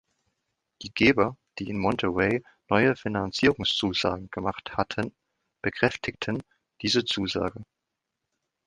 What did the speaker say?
Die Geber, die in Monterrey neue Finanzierungszusagen gemacht hatten, bekräftigten diese Zusagen.